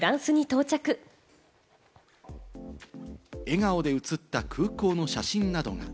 笑顔で写った空港の写真などが。